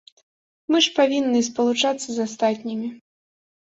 Мы ж павінны спалучацца з астатнімі.